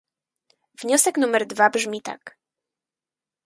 Wniosek numer dwa brzmi tak